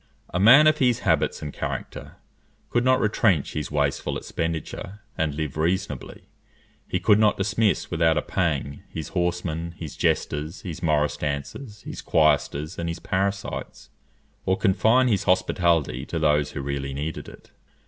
A man of his habits and character could not retrench his wasteful expenditure, and live reasonably; he could not dismiss without a pang his horsemen, his jesters, his morris dancers, his choristers, and his parasites, or confine his hospitality to those who really needed it.